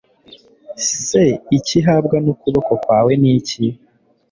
se icyo ihabwa n ukuboko kwawe ni iki